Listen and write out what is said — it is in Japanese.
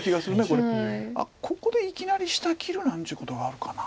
ここでいきなり下切るなんていうことあるかな。